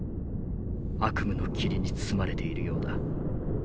悪夢の霧に包まれているようだ。